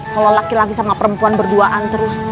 kalau laki laki sama perempuan berduaan terus